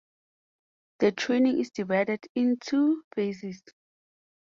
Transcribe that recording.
The training is divided in two phases.